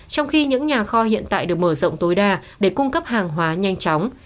trong khi những nhà kho hiện tại được mở rộng tối đa để cung cấp hàng hóa nhanh chóng